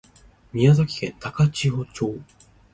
宮崎県高千穂町